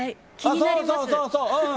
そうそうそう、うん、